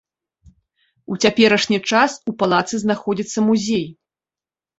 У цяперашні час у палацы знаходзіцца музей.